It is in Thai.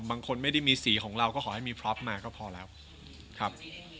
บางคนไม่ได้มีสีของเราก็ขอให้มีพล็อปมาก็พอแล้วครับ